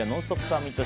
サミット。